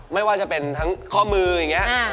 ไม่ว่าจะเป็นทั้งข้อมืออย่างนี้